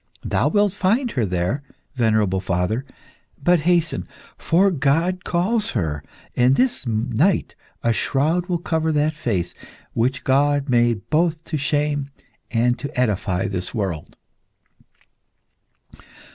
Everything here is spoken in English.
Thou wilt find her there, venerable father; but hasten, for God calls her, and this night a shroud will cover that face which God made both to shame and to edify this world."